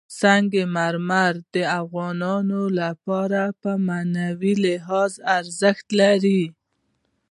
سنگ مرمر د افغانانو لپاره په معنوي لحاظ ارزښت لري.